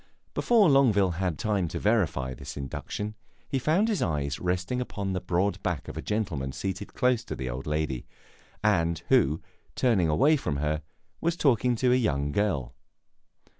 Before Longueville had time to verify this induction, he found his eyes resting upon the broad back of a gentleman seated close to the old lady, and who, turning away from her, was talking to a young girl.